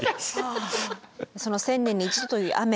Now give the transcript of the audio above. その１０００年に１度という雨。